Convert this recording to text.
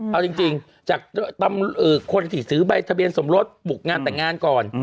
เอาจริงจากคนที่ซื้อใบทะเบียนสมรสบุกงานแต่งงานก่อน